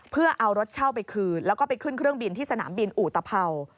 เพื่อเอารถเช่าไปคืนแล้วก็ไปขึ้นเครื่องบินที่สนามบินอุตภัวร์